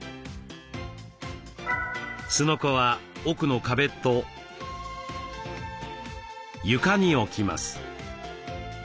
すのこは奥の壁と床に置きます。